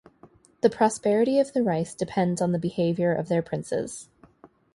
The prosperity of the rice depends on the behavior of their princes.